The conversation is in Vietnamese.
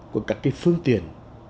của các cái phương tiền